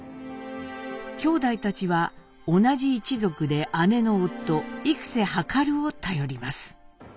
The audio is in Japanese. きょうだいたちは同じ一族で姉の夫幾量を頼ります。